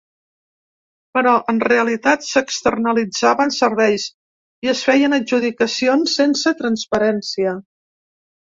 Però, en realitat, s’externalitzaven serveis i es feien adjudicacions sense transparència.